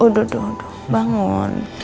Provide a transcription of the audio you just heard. udah udah bangun